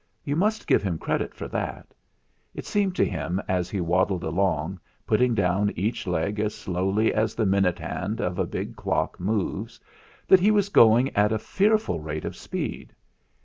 You must give him credit for that. It seemed to him, as he waddled along, putting down each leg as slowly as the minute hand of a big clock moves, that he was going at a fearful rate of speed.